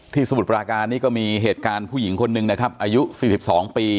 ที่สมุทรปราการนี้ก็มีเหตุการณ์ผู้หญิงคนนึงอายุ๔๒ปี